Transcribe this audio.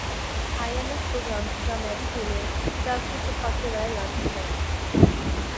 ائی M F program کی کامیابی کیلئے سیاسی اتفاق رائے لازم ہے